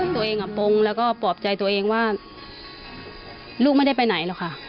ตัวเองปงแล้วก็ปลอบใจตัวเองว่าลูกไม่ได้ไปไหนหรอกค่ะ